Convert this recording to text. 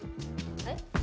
えっ？